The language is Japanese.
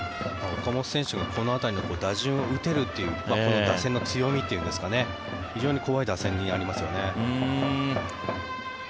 岡本選手がこの辺りの打順を打てるというこの打線の強みというんですか非常に怖い打線になりますよね。